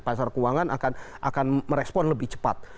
pasar keuangan akan merespon lebih cepat